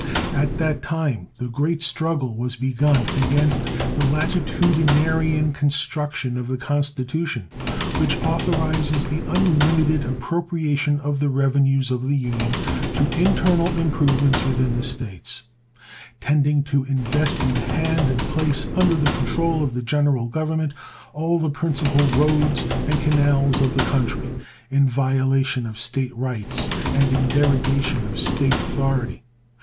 At that time the great struggle was begun against that latitudinarian construction of the Constitution which authorizes the unlimited appropriation of the revenues of the Union to internal improvements within the States, tending to invest in the hands and place under the control of the General Government all the principal roads and canals of the country, in violation of State rights and in derogation of State authority.